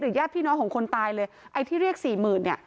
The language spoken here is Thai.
ญาติพี่น้องของคนตายเลยไอ้ที่เรียกสี่หมื่นเนี่ย